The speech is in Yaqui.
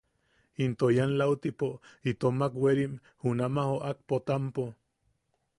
Into ian lautipo itommak werim junama joʼak Potampo.